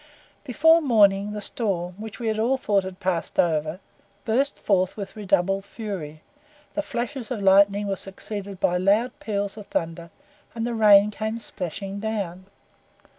Before morning the storm, which we all thought had passed over, burst forth with redoubled fury; the flashes of lightning were succeeded by loud peals of thunder, and the rain came splashing down.